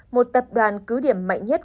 một tập đoàn cứ điểm mạnh nhất